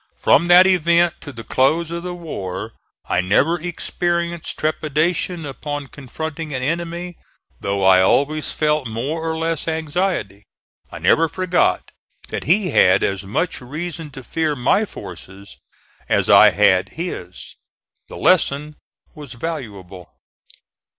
From that event to the close of the war, I never experienced trepidation upon confronting an enemy, though I always felt more or less anxiety. I never forgot that he had as much reason to fear my forces as I had his. The lesson was valuable.